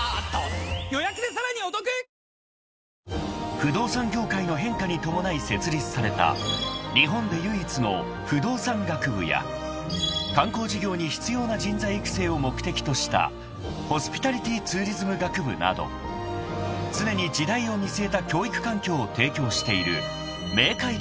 ［不動産業界の変化に伴い設立された日本で唯一の「不動産学部」や観光事業に必要な人材育成を目的とした「ホスピタリティ・ツーリズム学部」など常に時代を見据えた教育環境を提供している］